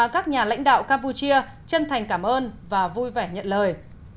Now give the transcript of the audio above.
các nhà lãnh đạo campuchia chân thành cảm ơn và vui vẻ nhận lời